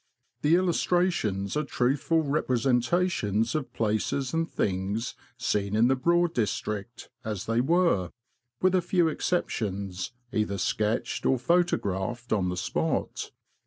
The Illustrations are truthful representations of places and things seen in the Broad District, as they were, with a few exceptions, either " sketched or photographed on the spot.